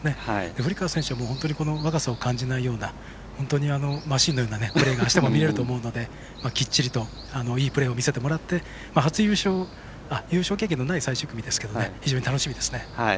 古川選手は本当に若さを感じないような本当にマシンのようなプレーがあしたも見れると思うのできっちりと、いいプレーを見せてもらって優勝経験のない最終組ですけど非常に楽しみですね。